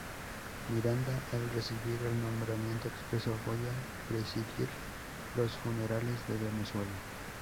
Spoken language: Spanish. Miranda, al recibir el nombramiento expresó: "Voy a presidir los funerales de Venezuela".